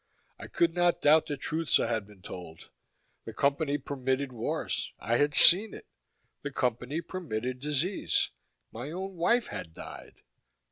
I could not doubt the truths I had been told. The Company permitted wars I had seen it. The Company permitted disease my own wife had died.